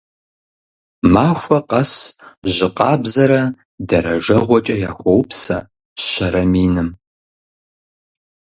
Махуэ къэс жьы къабзэрэ дэрэжэгъуэкӀэ яхуоупсэ щэрэ миным.